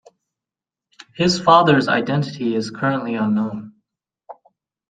His father's identity is currently unknown.